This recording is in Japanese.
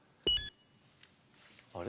あれ？